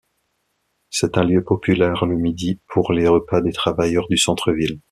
C'est un lieu populaire le midi pour les repas des travailleurs du centre-ville.